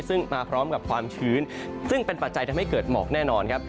ซึ่งมาพร้อมกับความชื้นซึ่งเป็นปัจจัยทำให้เกิดหมอกแน่นอนครับ